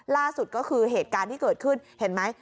ล่าสุดก็คือเหตุการณ์ที่เกิดขึ้นเห็นไหม